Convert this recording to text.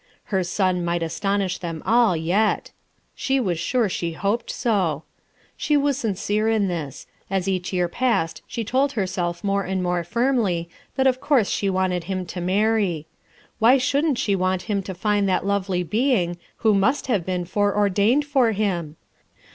Her son might aston ish them all, yet. She was sure she hoped so. She was sincere in this. As each year passed she told herself more and more firmly that of course she wanted him to marry. Why diouldn' t she want him to find that lovely being who must have been foreordained for him